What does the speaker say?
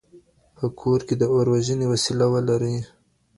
په کور کې د اور وژنې وسیله ولرئ.